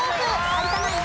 有田ナイン